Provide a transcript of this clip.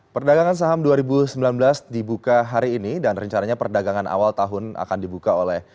perdagangan saham dua ribu sembilan belas dibuka hari ini dan rencananya perdagangan awal tahun akan dibuka oleh